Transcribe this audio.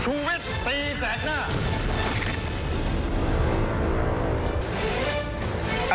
ช่วงวิทย์๓แสนหน้า